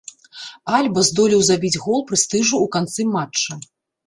Альба здолеў забіць гол прэстыжу ў канцы матча.